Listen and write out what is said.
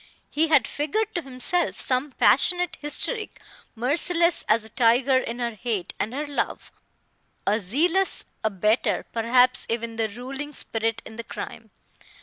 He had figured to himself some passionate hystérique, merciless as a tiger in her hate and her love, a zealous abettor, perhaps even the ruling spirit in the crime.